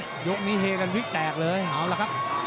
ตอนตอนนี้เฮกับพริกแตกเลยเอาละครับ